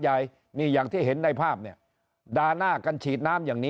ใหญ่นี่อย่างที่เห็นในภาพเนี่ยด่าหน้ากันฉีดน้ำอย่างนี้